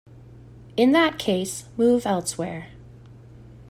In that case, move elsewhere.